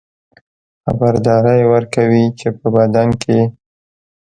خبرداری ورکوي چې په بدن کې